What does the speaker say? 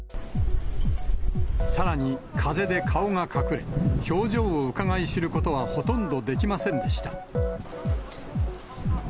さらに、風で顔が隠れ、表情をうかがい知ることはほとんどできませんでした。